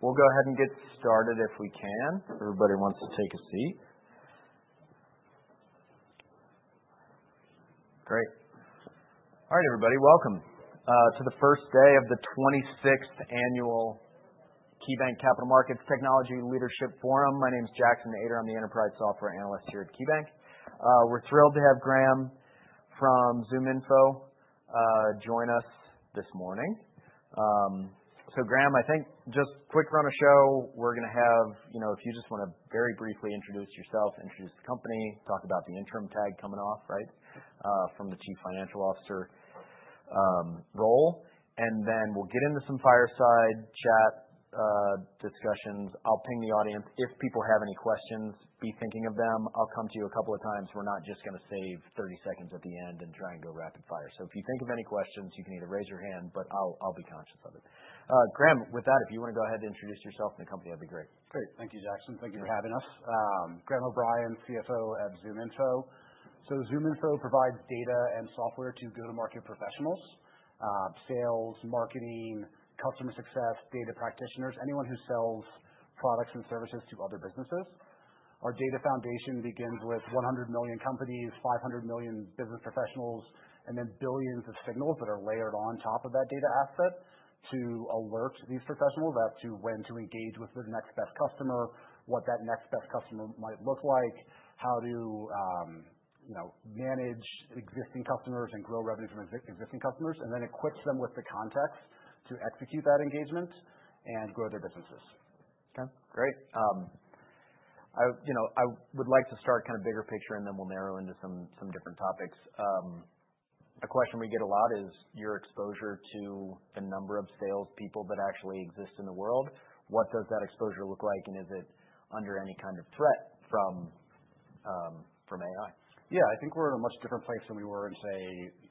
We'll go ahead and get started if we can. Everybody wants to take a seat. Great. All right, everybody, welcome to the first day of the 26th annual KeyBanc Capital Markets Technology Leadership Forum. My name is Jackson Ader. I'm the Enterprise Software Analyst here at KeyBanc. We're thrilled to have Graham from ZoomInfo join us this morning. So, Graham, I think just quick run of show. We're going to have, if you just want to very briefly introduce yourself, introduce the company, talk about the interim tag coming off from the Chief Financial Officer role. And then we'll get into some fireside chat discussions. I'll ping the audience. If people have any questions, be thinking of them. I'll come to you a couple of times. We're not just going to save 30 seconds at the end and try and go rapid fire. So if you think of any questions, you can either raise your hand, but I'll be conscious of it. Graham, with that, if you want to go ahead and introduce yourself and the company, that'd be great. Great. Thank you, Jackson. Thank you for having us. Graham O'Brien, CFO at ZoomInfo. So ZoomInfo provides data and software to go-to-market professionals, sales, marketing, customer success, data practitioners, anyone who sells products and services to other businesses. Our data foundation begins with 100 million companies, 500 million business professionals, and then billions of signals that are layered on top of that data asset to alert these professionals as to when to engage with their next best customer, what that next best customer might look like, how to manage existing customers and grow revenue from existing customers, and then equips them with the context to execute that engagement and grow their businesses. Okay. Great. I would like to start kind of bigger picture, and then we'll narrow into some different topics. A question we get a lot is your exposure to the number of salespeople that actually exist in the world. What does that exposure look like, and is it under any kind of threat from AI? Yeah. I think we're in a much different place than we were in, say,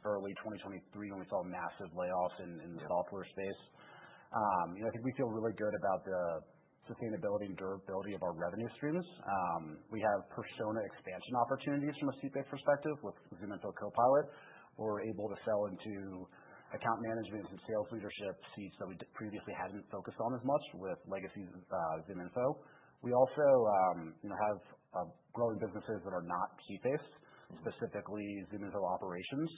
early 2023 when we saw massive layoffs in the software space. I think we feel really good about the sustainability and durability of our revenue streams. We have persona expansion opportunities from a seat-based perspective with ZoomInfo Copilot, where we're able to sell into account management and sales leadership seats that we previously hadn't focused on as much with legacy ZoomInfo. We also have growing businesses that are not seat-based, specifically ZoomInfo Operations.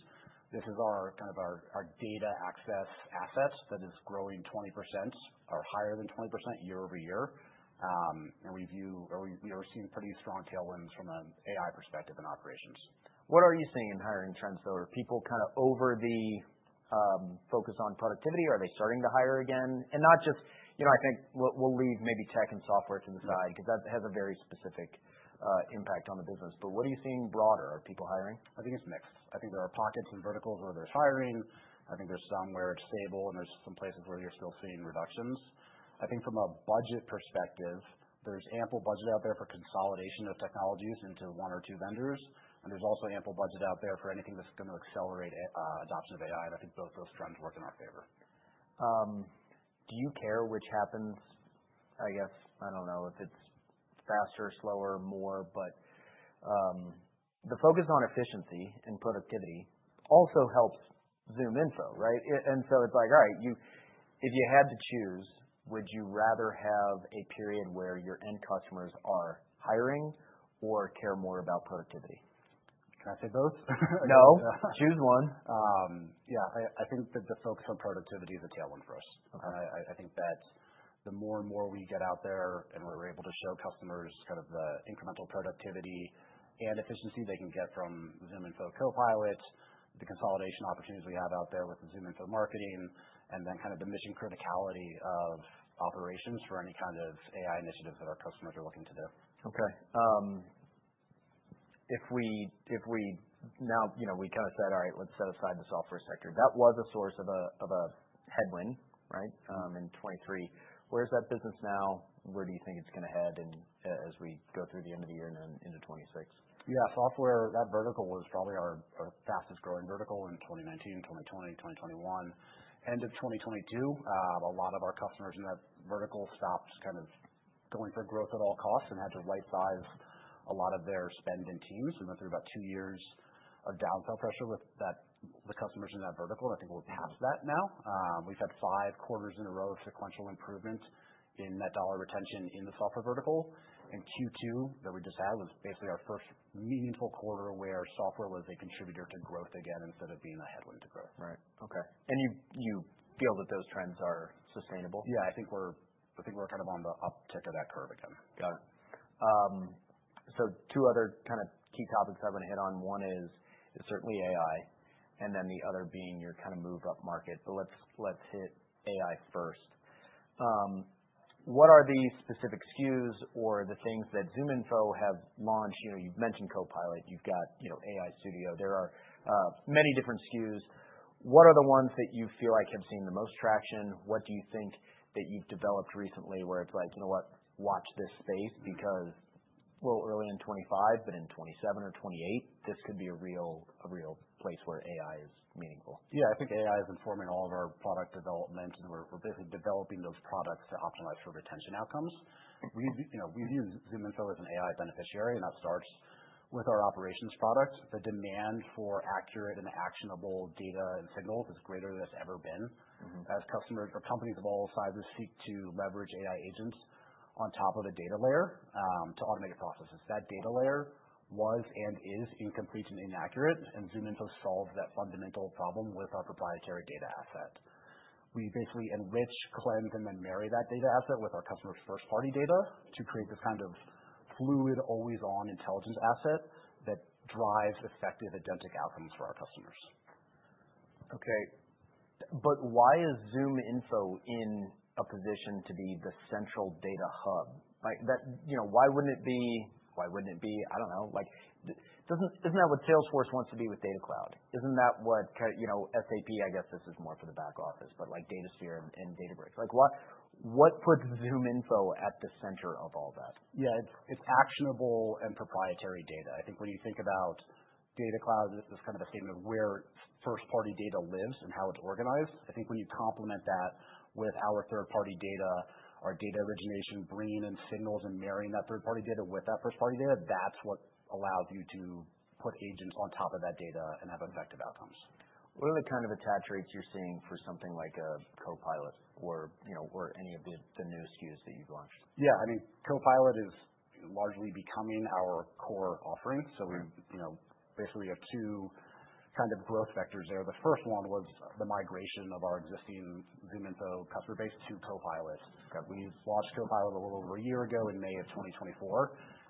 This is kind of our data access asset that is growing 20% or higher than 20% year over year. And we are seeing pretty strong tailwinds from an AI perspective in Operations. What are you seeing in hiring trends, though? Are people kind of overly focused on productivity, or are they starting to hire again? And not just, I think we'll leave maybe tech and software to the side because that has a very specific impact on the business. But what are you seeing broader? Are people hiring? I think it's mixed. I think there are pockets and verticals where there's hiring. I think there's some where it's stable, and there's some places where you're still seeing reductions. I think from a budget perspective, there's ample budget out there for consolidation of technologies into one or two vendors. And there's also ample budget out there for anything that's going to accelerate adoption of AI. And I think both those trends work in our favor. Do you care which happens? I guess, I don't know if it's faster, slower, more, but the focus on efficiency and productivity also helps ZoomInfo, right? And so it's like, all right, if you had to choose, would you rather have a period where your end customers are hiring or care more about productivity? Can I say both? No. Choose one. Yeah. I think that the focus on productivity is a tailwind for us. I think that the more and more we get out there and we're able to show customers kind of the incremental productivity and efficiency they can get from ZoomInfo Copilot, the consolidation opportunities we have out there with ZoomInfo Marketing, and then kind of the mission criticality of operations for any kind of AI initiatives that our customers are looking to do. Okay. If we now, we kind of said, all right, let's set aside the software sector. That was a source of a headwind in 2023. Where's that business now? Where do you think it's going to head as we go through the end of the year and then into 2026? Yeah. Software, that vertical was probably our fastest growing vertical in 2019, 2020, 2021. End of 2022, a lot of our customers in that vertical stopped kind of going for growth at all costs and had to right-size a lot of their spend in teams. We went through about two years of downsell pressure with the customers in that vertical, and I think we're past that now. We've had five quarters in a row of sequential improvement in net dollar retention in the software vertical, and Q2 that we just had was basically our first meaningful quarter where software was a contributor to growth again instead of being a headwind to growth. Right. Okay. And you feel that those trends are sustainable? Yeah. I think we're kind of on the uptick of that curve again. Got it, so two other kind of key topics I want to hit on. One is certainly AI, and then the other being your kind of move-up market, but let's hit AI first. What are the specific SKUs or the things that ZoomInfo have launched? You've mentioned Copilot. You've got AI Studio. There are many different SKUs. What are the ones that you feel like have seen the most traction? What do you think that you've developed recently where it's like, you know what, watch this space because a little early in 2025, but in 2027 or 2028, this could be a real place where AI is meaningful? Yeah. I think AI is informing all of our product development, and we're basically developing those products to optimize for retention outcomes. We view ZoomInfo as an AI beneficiary, and that starts with our operations product. The demand for accurate and actionable data and signals is greater than it's ever been as customers or companies of all sizes seek to leverage AI agents on top of a data layer to automate processes. That data layer was and is incomplete and inaccurate, and ZoomInfo solves that fundamental problem with our proprietary data asset. We basically enrich, cleanse, and then marry that data asset with our customer's first-party data to create this kind of fluid, always-on intelligence asset that drives effective, identical outcomes for our customers. Okay. But why is ZoomInfo in a position to be the central data hub? Why wouldn't it be? Why wouldn't it be? I don't know. Isn't that what Salesforce wants to be with Data Cloud? Isn't that what SAP, I guess this is more for the back office, but Datasphere and Databricks. What puts ZoomInfo at the center of all that? Yeah. It's actionable and proprietary data. I think when you think about Data Cloud, this is kind of a statement of where first-party data lives and how it's organized. I think when you complement that with our third-party data, our data origination, bringing in signals and marrying that third-party data with that first-party data, that's what allows you to put agents on top of that data and have effective outcomes. What are the kind of attach rates you're seeing for something like a Copilot or any of the new SKUs that you've launched? Yeah. I mean, Copilot is largely becoming our core offering, so basically, we have two kind of growth vectors there. The first one was the migration of our existing ZoomInfo customer base to Copilot. We launched Copilot a little over a year ago in May of 2024,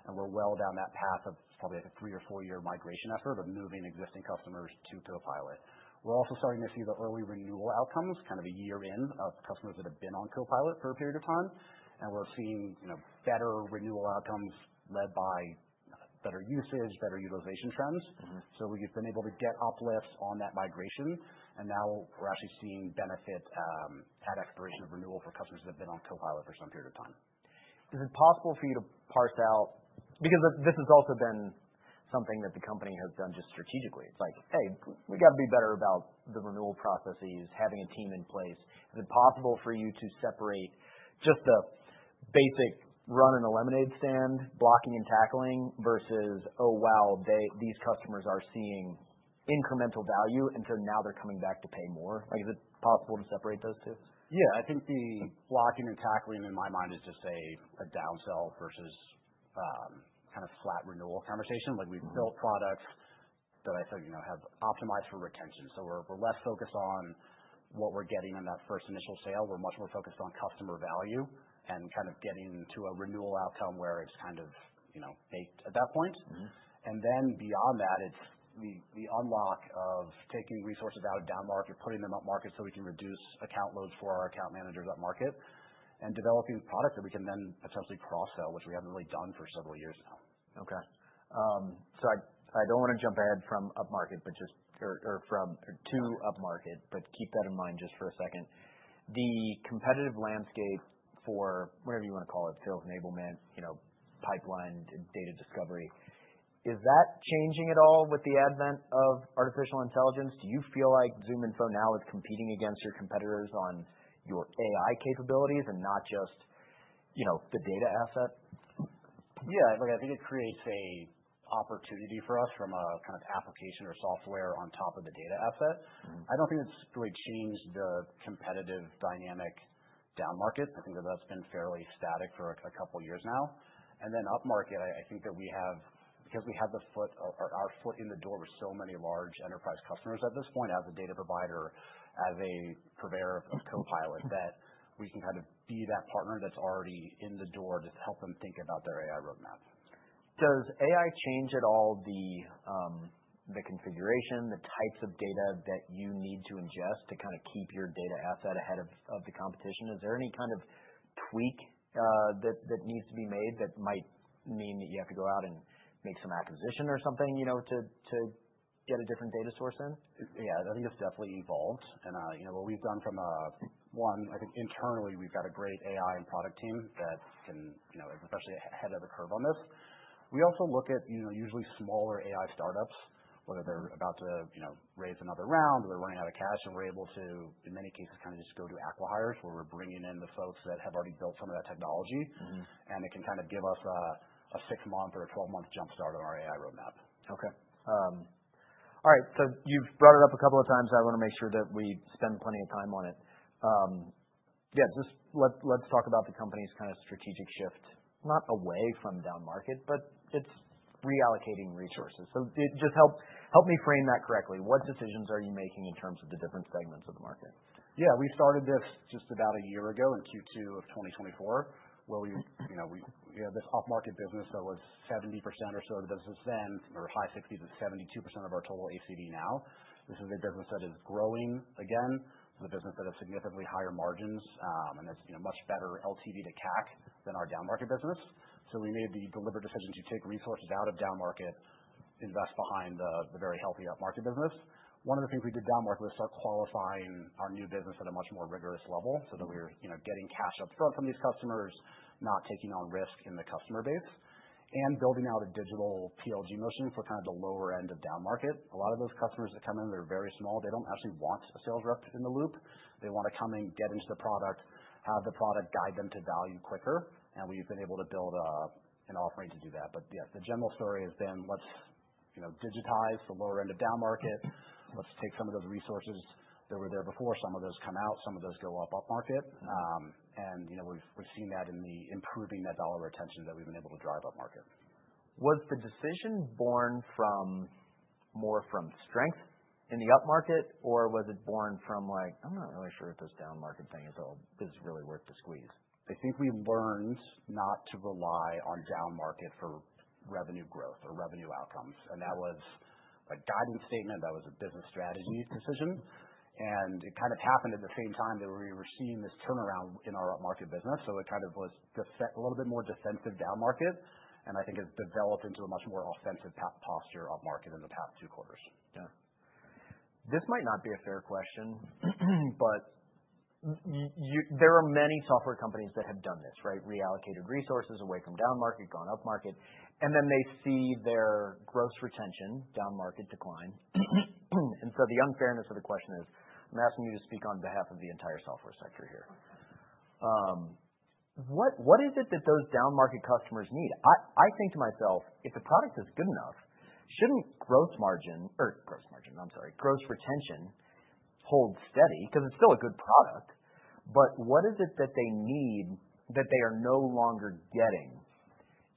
and we're well down that path of probably a three- or four-year migration effort of moving existing customers to Copilot. We're also starting to see the early renewal outcomes, kind of a year in of customers that have been on Copilot for a period of time, and we're seeing better renewal outcomes led by better usage, better utilization trends. So we've been able to get uplifts on that migration, and now we're actually seeing benefit at expiration of renewal for customers that have been on Copilot for some period of time. Is it possible for you to parse out? Because this has also been something that the company has done just strategically. It's like, hey, we got to be better about the renewal processes, having a team in place. Is it possible for you to separate just the basic run-of-the-mill standard blocking and tackling, versus, oh, wow, these customers are seeing incremental value, and so now they're coming back to pay more? Is it possible to separate those two? Yeah. I think the blocking and tackling in my mind is just a downsell versus kind of flat renewal conversation. We've built products that I think have optimized for retention. So we're less focused on what we're getting on that first initial sale. We're much more focused on customer value and kind of getting to a renewal outcome where it's kind of made at that point. And then beyond that, it's the unlock of taking resources out of downmarket, putting them upmarket so we can reduce account loads for our account managers upmarket, and developing product that we can then potentially cross-sell, which we haven't really done for several years now. Okay. So I don't want to jump ahead from upmarket or to upmarket, but keep that in mind just for a second. The competitive landscape for whatever you want to call it, sales enablement, pipeline, data discovery, is that changing at all with the advent of artificial intelligence? Do you feel like ZoomInfo now is competing against your competitors on your AI capabilities and not just the data asset? Yeah. I think it creates an opportunity for us from a kind of application or software on top of the data asset. I don't think it's really changed the competitive dynamic downmarket. I think that that's been fairly static for a couple of years now. And then upmarket, I think that we have, because we have our foot in the door with so many large enterprise customers at this point, as a data provider, as a purveyor of Copilot, that we can kind of be that partner that's already in the door to help them think about their AI roadmap. Does AI change at all the configuration, the types of data that you need to ingest to kind of keep your data asset ahead of the competition? Is there any kind of tweak that needs to be made that might mean that you have to go out and make some acquisition or something to get a different data source in? Yeah. I think it's definitely evolved. And what we've done from day one, I think internally, we've got a great AI and product team that can especially ahead of the curve on this. We also look at usually smaller AI startups, whether they're about to raise another round or they're running out of cash, and we're able to, in many cases, kind of just go to acqui-hires where we're bringing in the folks that have already built some of that technology, and it can kind of give us a six-month or a 12-month jumpstart on our AI roadmap. Okay. All right, so you've brought it up a couple of times. I want to make sure that we spend plenty of time on it. Yeah, just let's talk about the company's kind of strategic shift, not away from downmarket, but it's reallocating resources, so help me frame that correctly. What decisions are you making in terms of the different segments of the market? Yeah. We started this just about a year ago in Q2 of 2024, where we had this upmarket business that was 70% or so of the business then, or high 60s of 72% of our total ACV now. This is a business that is growing again. This is a business that has significantly higher margins, and it's much better LTV to CAC than our downmarket business. So we made the deliberate decision to take resources out of downmarket, invest behind the very healthy upmarket business. One of the things we did downmarket was start qualifying our new business at a much more rigorous level so that we were getting cash upfront from these customers, not taking on risk in the customer base, and building out a digital PLG motion for kind of the lower end of downmarket. A lot of those customers that come in, they're very small. They don't actually want a sales rep in the loop. They want to come in, get into the product, have the product guide them to value quicker. And we've been able to build an offering to do that. But yes, the general story has been, let's digitize the lower end of downmarket. Let's take some of those resources that were there before. Some of those come out. Some of those go upmarket. And we've seen that in improving net dollar retention that we've been able to drive upmarket. Was the decision born more from strength in the upmarket, or was it born from, like, I'm not really sure if this downmarket thing is really worth the squeeze? I think we learned not to rely on downmarket for revenue growth or revenue outcomes, and that was a guidance statement. That was a business strategy decision, and it kind of happened at the same time that we were seeing this turnaround in our upmarket business, so it kind of was a little bit more defensive downmarket, and I think has developed into a much more offensive posture upmarket in the past two quarters. Yeah. This might not be a fair question, but there are many software companies that have done this, right? Reallocated resources away from downmarket, gone upmarket, and then they see their gross retention downmarket decline. And so the unfairness of the question is, I'm asking you to speak on behalf of the entire software sector here. What is it that those downmarket customers need? I think to myself, if the product is good enough, shouldn't gross margin or gross margin, I'm sorry, gross retention hold steady? Because it's still a good product, but what is it that they need that they are no longer getting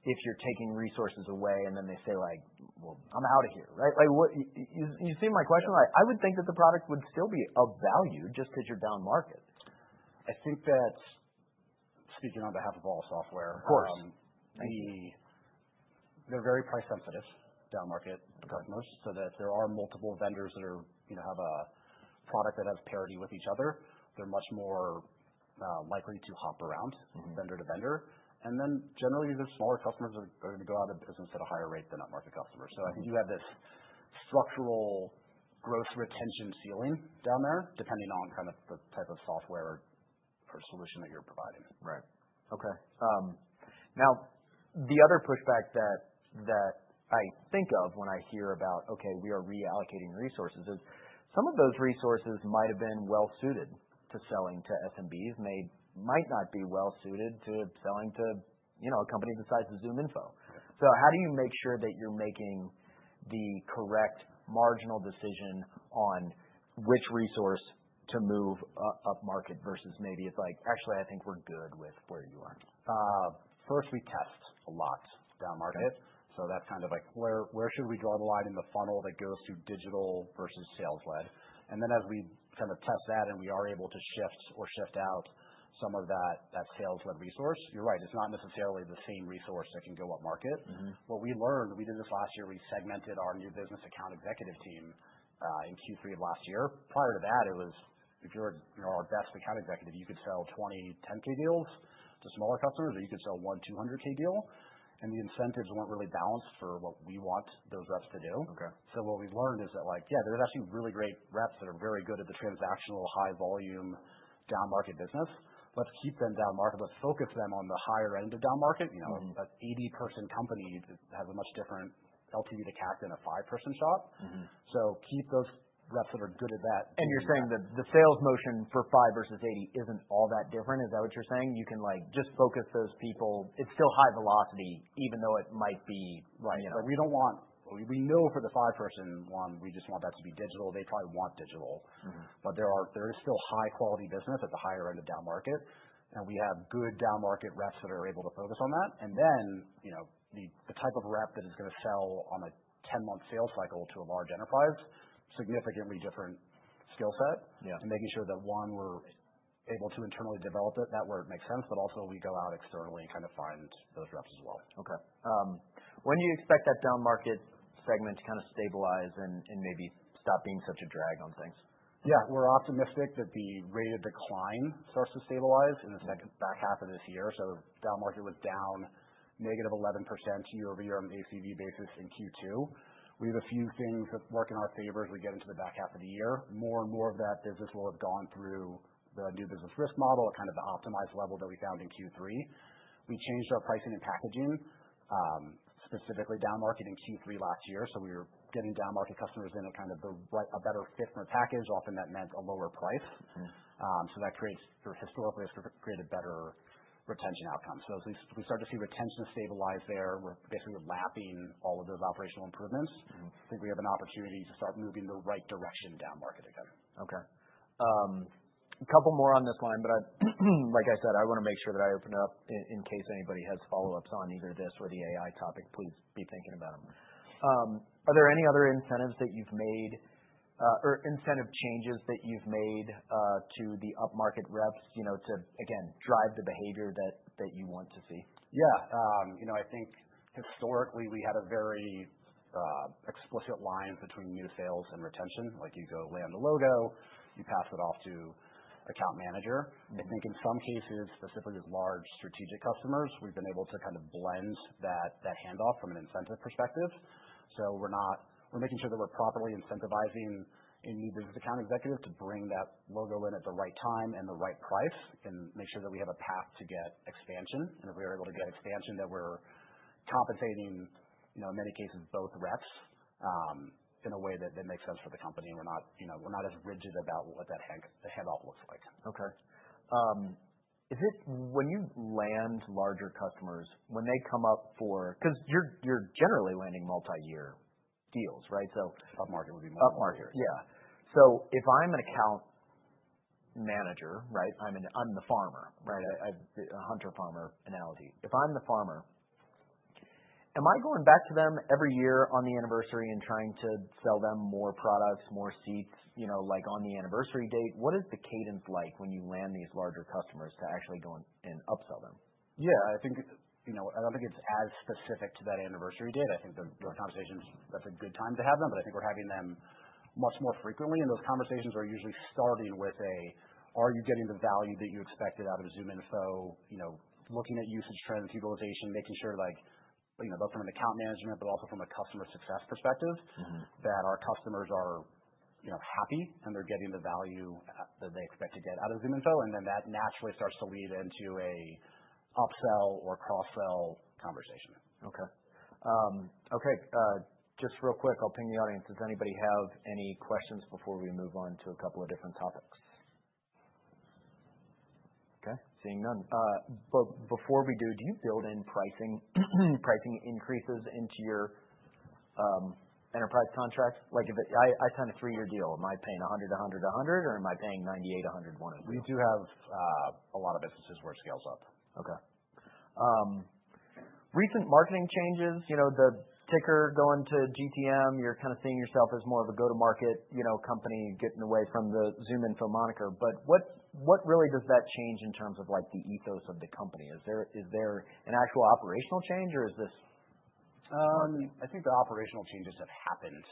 if you're taking resources away and then they say, like, well, I'm out of here, right? You see my question? I would think that the product would still be of value just because you're downmarket. I think that, speaking on behalf of all software. Of course. They're very price-sensitive downmarket customers, so that if there are multiple vendors that have a product that has parity with each other, they're much more likely to hop around vendor to vendor, and then generally, the smaller customers are going to go out of business at a higher rate than upmarket customers, so I think you have this structural gross retention ceiling down there, depending on kind of the type of software or solution that you're providing. Right. Okay. Now, the other pushback that I think of when I hear about, okay, we are reallocating resources, is some of those resources might have been well-suited to selling to SMBs, might not be well-suited to selling to a company the size of ZoomInfo. So how do you make sure that you're making the correct marginal decision on which resource to move upmarket versus maybe it's like, actually, I think we're good with where you are? First, we test a lot downmarket. So that's kind of like, where should we draw the line in the funnel that goes through digital versus sales-led? And then as we kind of test that and we are able to shift or shift out some of that sales-led resource, you're right, it's not necessarily the same resource that can go upmarket. What we learned, we did this last year. We segmented our new business account executive team in Q3 of last year. Prior to that, it was if you're our best account executive, you could sell 20 $10K deals to smaller customers, or you could sell one $200K deal. And the incentives weren't really balanced for what we want those reps to do. So what we've learned is that, yeah, there's actually really great reps that are very good at the transactional, high-volume downmarket business. Let's keep them downmarket. Let's focus them on the higher end of downmarket. An 80-person company has a much different LTV to CAC than a five-person shop. So keep those reps that are good at that. You're saying that the sales motion for five versus 80 isn't all that different? Is that what you're saying? You can just focus those people. It's still high velocity, even though it might be right now. Right. We know for the five-person one, we just want that to be digital. They probably want digital, but there is still high-quality business at the higher end of downmarket. And we have good downmarket reps that are able to focus on that. And then the type of rep that is going to sell on a 10-month sales cycle to a large enterprise, significantly different skill set. And making sure that, one, we're able to internally develop it that where it makes sense, but also we go out externally and kind of find those reps as well. Okay. When do you expect that downmarket segment to kind of stabilize and maybe stop being such a drag on things? Yeah. We're optimistic that the rate of decline starts to stabilize in the second back half of this year. So downmarket was down negative 11% year over year on the ACV basis in Q2. We have a few things that work in our favor as we get into the back half of the year. More and more of that business will have gone through the new business risk model, kind of the optimized level that we found in Q3. We changed our pricing and packaging, specifically downmarket in Q3 last year. So we were getting downmarket customers in at kind of a better fit for a package. Often that meant a lower price. So that historically has created better retention outcomes. So as we start to see retention stabilize there, we're basically lapping all of those operational improvements. I think we have an opportunity to start moving the right direction downmarket again. Okay. A couple more on this line, but like I said, I want to make sure that I open it up in case anybody has follow-ups on either this or the AI topic. Please be thinking about them. Are there any other incentives that you've made or incentive changes that you've made to the upmarket reps to, again, drive the behavior that you want to see? Yeah. I think historically we had a very explicit line between new sales and retention. You go land a logo, you pass it off to account manager. I think in some cases, specifically with large strategic customers, we've been able to kind of blend that handoff from an incentive perspective. So we're making sure that we're properly incentivizing a new business account executive to bring that logo in at the right time and the right price and make sure that we have a path to get expansion. If we are able to get expansion, that we're compensating, in many cases, both reps in a way that makes sense for the company. We're not as rigid about what that handoff looks like. Okay. When you land larger customers, when they come up for because you're generally landing multi-year deals, right? So. Upmarket would be more likely. Upmarket. Yeah. So if I'm an account manager, right, I'm the farmer, right? A hunter-farmer analogy. If I'm the farmer, am I going back to them every year on the anniversary and trying to sell them more products, more seats on the anniversary date? What is the cadence like when you land these larger customers to actually go and upsell them? Yeah. I don't think it's as specific to that anniversary date. I think those conversations, that's a good time to have them, but I think we're having them much more frequently. And those conversations are usually starting with a, are you getting the value that you expected out of ZoomInfo, looking at usage trends and utilization, making sure both from an account management, but also from a customer success perspective, that our customers are happy and they're getting the value that they expect to get out of ZoomInfo. And then that naturally starts to lead into an upsell or cross-sell conversation. Okay. Okay. Just real quick, I'll ping the audience. Does anybody have any questions before we move on to a couple of different topics? Okay. Seeing none, but before we do, do you build in pricing increases into your enterprise contract? I sign a three-year deal. Am I paying 100, 100, 100, or am I paying 98, 100, 100? We do have a lot of businesses where it scales up. Okay. Recent marketing changes, the ticker going to GTM, you're kind of seeing yourself as more of a go-to-market company, getting away from the ZoomInfo moniker. But what really does that change in terms of the ethos of the company? Is there an actual operational change, or is this? I think the operational changes have happened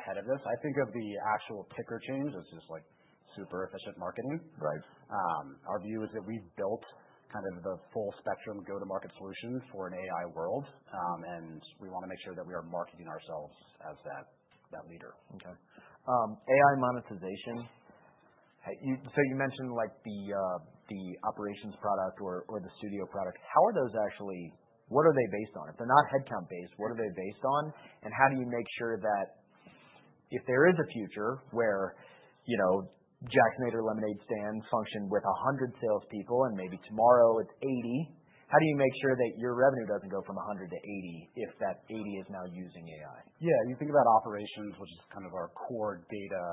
ahead of this. I think of the actual ticker change as just super efficient marketing. Our view is that we've built kind of the full spectrum go-to-market solution for an AI world, and we want to make sure that we are marketing ourselves as that leader. Okay. AI monetization. So you mentioned the operations product or the studio product. How are those actually? What are they based on? If they're not headcount-based, what are they based on? And how do you make sure that if there is a future where Jack made a Lemonade Stand function with 100 salespeople and maybe tomorrow it's 80, how do you make sure that your revenue doesn't go from 100 to 80 if that 80 is now using AI? Yeah. You think about operations, which is kind of our core data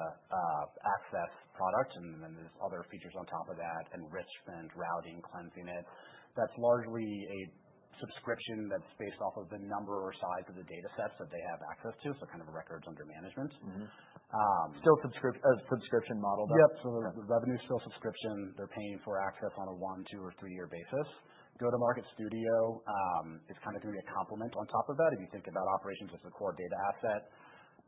access product, and then there's other features on top of that and enriching, then routing, cleansing it. That's largely a subscription that's based off of the number or size of the data sets that they have access to. So kind of records under management. Still subscription model though? Yep. So the revenue's still subscription. They're paying for access on a one, two, or three-year basis. Go-to-Market Studio is kind of going to be a complement on top of that. If you think about operations as the core data asset,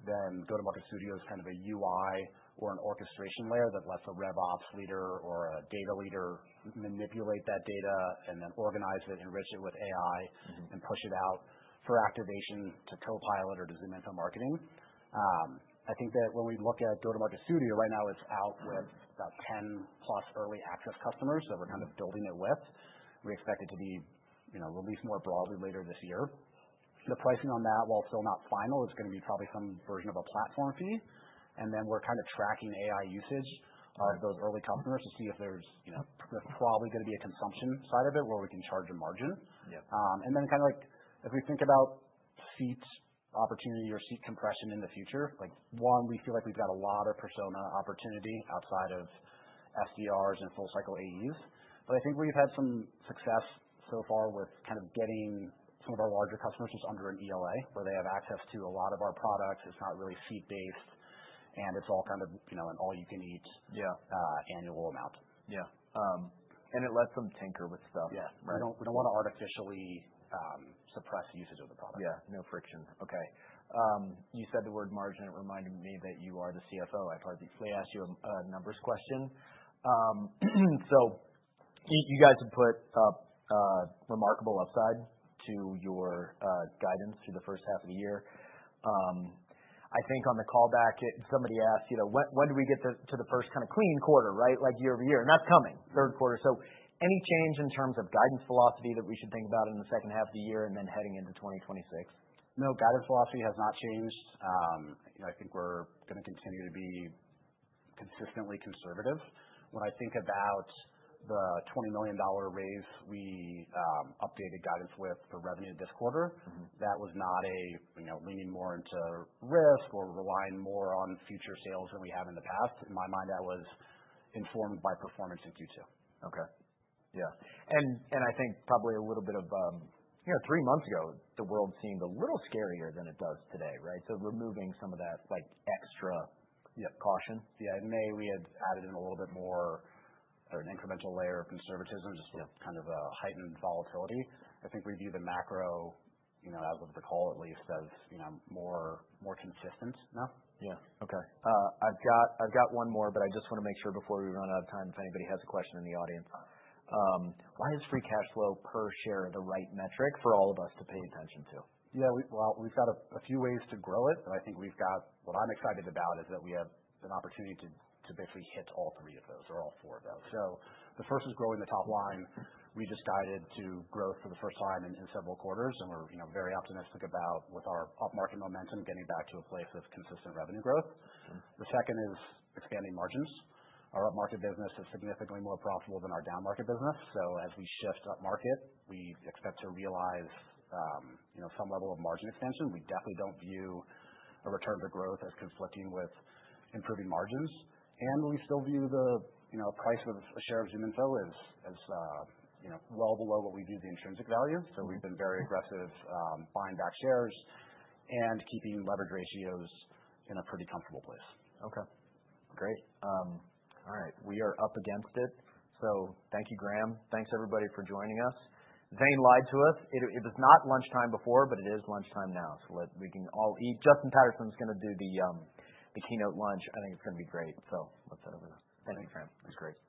then Go-to-Market Studio is kind of a UI or an orchestration layer that lets a RevOps leader or a data leader manipulate that data and then organize it, enrich it with AI, and push it out for activation to Copilot or to ZoomInfo Marketing. I think that when we look at Go-to-Market Studio right now, it's out with about 10-plus early access customers that we're kind of building it with. We expect it to be released more broadly later this year. The pricing on that, while still not final, is going to be probably some version of a platform fee. And then we're kind of tracking AI usage of those early customers to see if there's probably going to be a consumption side of it where we can charge a margin. And then kind of if we think about seat opportunity or seat compression in the future, one, we feel like we've got a lot of persona opportunity outside of SDRs and full-cycle AEs. But I think we've had some success so far with kind of getting some of our larger customers just under an ELA where they have access to a lot of our products. It's not really seat-based, and it's all kind of an all-you-can-eat annual amount. Yeah, and it lets them tinker with stuff, right? Yeah. We don't want to artificially suppress usage of the product. Yeah. No friction. Okay. You said the word margin. It reminded me that you are the CFO. I've already asked you a numbers question. So you guys have put a remarkable upside to your guidance through the first half of the year. I think on the callback, somebody asked, when do we get to the first kind of clean quarter, right? Like year over year, and that's coming, third quarter. So any change in terms of guidance philosophy that we should think about in the second half of the year and then heading into 2026? No, guidance philosophy has not changed. I think we're going to continue to be consistently conservative. When I think about the $20 million raise we updated guidance with for revenue this quarter, that was not a leaning more into risk or relying more on future sales than we have in the past. In my mind, that was informed by performance in Q2. Okay. Yeah. And I think probably a little bit of three months ago, the world seemed a little scarier than it does today, right? So removing some of that extra caution. Yeah. In May, we had added in a little bit more or an incremental layer of conservatism, just kind of a heightened volatility. I think we view the macro, as of the call at least, as more consistent now. Yeah. Okay. I've got one more, but I just want to make sure before we run out of time, if anybody has a question in the audience. Why is free cash flow per share the right metric for all of us to pay attention to? Yeah. Well, we've got a few ways to grow it, but I think what I'm excited about is that we have an opportunity to basically hit all three of those or all four of those. So the first is growing the top line. We just guided to growth for the first time in several quarters, and we're very optimistic about with our upmarket momentum getting back to a place of consistent revenue growth. The second is expanding margins. Our upmarket business is significantly more profitable than our downmarket business. So as we shift upmarket, we expect to realize some level of margin expansion. We definitely don't view a return to growth as conflicting with improving margins. And we still view the price of a share of ZoomInfo as well below what we view the intrinsic value. So we've been very aggressive buying back shares and keeping leverage ratios in a pretty comfortable place. Okay. Great. All right. We are up against it, so thank you, Graham. Thanks, everybody, for joining us. Zane lied to us. It was not lunchtime before, but it is lunchtime now, so we can all eat. Justin Patterson's going to do the keynote lunch. I think it's going to be great, so let's head over to him. Thank you, Graham. That's great.